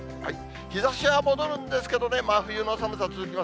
日ざしは戻るんですけどね、真冬の寒さ続きます。